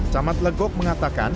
camat legok mengatakan